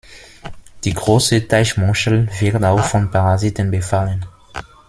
Die Große Teichmuschel wird auch von Parasiten befallen.